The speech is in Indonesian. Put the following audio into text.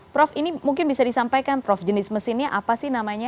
prof ini mungkin bisa disampaikan prof jenis mesinnya apa sih namanya